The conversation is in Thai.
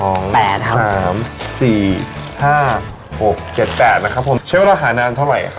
เป็นราคานานเท่าอะไร